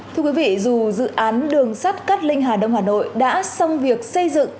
thưa quý vị dù dự án đường sắt cát linh hà đông hà nội đã xong việc xây dựng